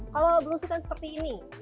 kalau berusaha seperti ini